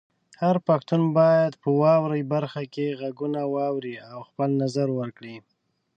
هر پښتون باید په "واورئ" برخه کې غږونه واوري او خپل نظر ورکړي.